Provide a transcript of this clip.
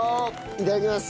いただきます。